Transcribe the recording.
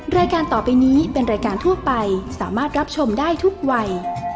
รายการต่อไปนี้เป็นรายการทั่วไปสามารถรับชมได้ทุกวัย